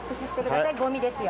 ゴミですよ。